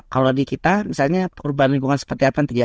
kalau di kita misalnya perubahan lingkungan seperti apa